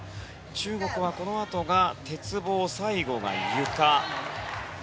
中国は、このあとが鉄棒最後がゆか。